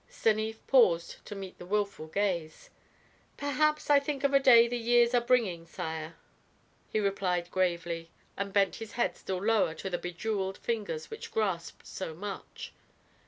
Stanief paused to meet the wilful gaze. "Perhaps I think of a day the years are bringing, sire," he replied gravely, and bent his head still lower to the jeweled fingers which grasped so much.